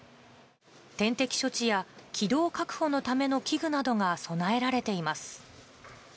点滴処置や気道確保のための器具などが備えられています。